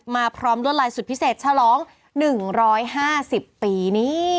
มาพร้อมด้วยลายสุดพิเศษชะล้อง๑๕๐ปีนี่